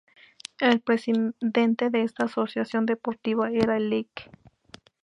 El presidente de esta asociación deportiva era el Lic.